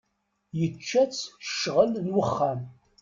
Yečča-tt ccɣel n wexxam.